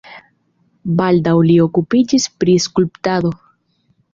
Baldaŭ li okupiĝis pri skulptado.